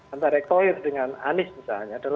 antara ektoir dengan anies misalnya